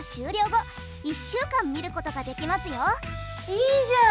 いいじゃん！